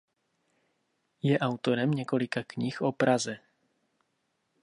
Je autorem několika knih o Praze.